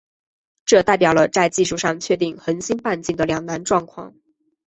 这代表了在技术上确定恒星半径的两难状况。